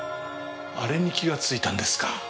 あれに気がついたんですか。